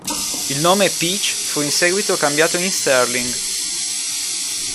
Il nome "Peach" fu in seguito cambiato in "Sterling".